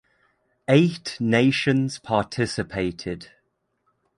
Eight nations participated.